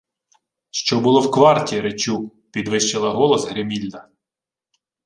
— Що було в кварті, речу? — підвищила голос Гримільда.